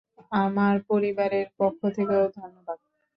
আমার পরিবারের পক্ষ থেকেও, ধন্যবাদ।